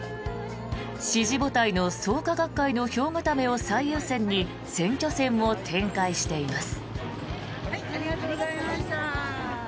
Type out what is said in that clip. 支持母体の創価学会の票固めを最優先に選挙戦を展開しています。